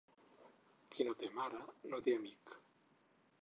Qui no té mare, no té amic.